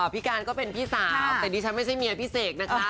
พี่การก็เป็นพี่สาวแต่ดิฉันไม่ใช่เมียพี่เสกนะคะ